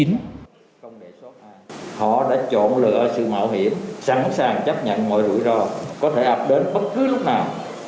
họ đã chọn lựa sự mạo hiểm sẵn sàng chấp nhận mọi rủi ro có thể ập đến bất cứ lúc nào